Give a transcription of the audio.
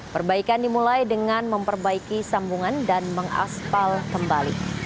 perbaikan dimulai dengan memperbaiki sambungan dan mengaspal kembali